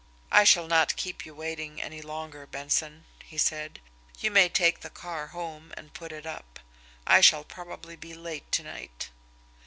"I shall not keep you waiting any longer, Benson," he said. "You may take the car home, and put it up. I shall probably be late to night."